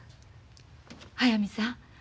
速水さん。